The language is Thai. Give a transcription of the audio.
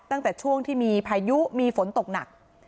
ตั้งแต่ช่วงที่มีพายุมีฝนตกหนัก